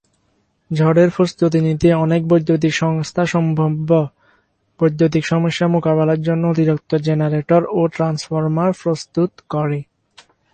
ঝড়ের প্রস্তুতি নিতে, অনেক বৈদ্যুতিক সংস্থা সম্ভাব্য বৈদ্যুতিক সমস্যা মোকাবেলার জন্য অতিরিক্ত জেনারেটর ও ট্রান্সফর্মার প্রস্তুত করে।